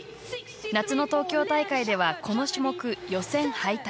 夏の東京大会ではこの種目、予選敗退。